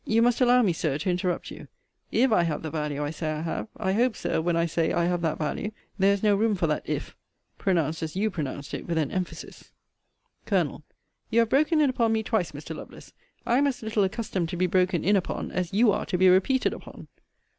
You must allow me, Sir, to interrupt you IF I have the value I say I have I hope, Sir, when I say I have that value, there is no room for that if, pronounced as you pronounced it with an emphasis. Col. You have broken in upon me twice, Mr. Lovelace. I am as little accustomed to be broken in upon, as you are to be repeated upon.